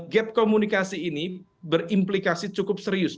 gap komunikasi ini berimplikasi cukup serius